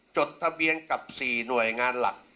จดทะเบียนกับ๔หน่วยงานหลัก